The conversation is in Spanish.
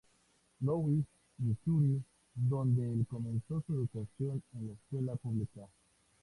Louis, Misuri, donde el comenzó su educación en la escuela pública.